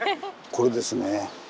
これですね。